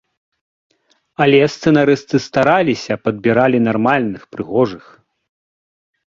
Але сцэнарысты стараліся, падбіралі нармальных, прыгожых.